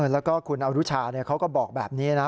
แล้วก็คุณอนุชาเขาก็บอกแบบนี้นะ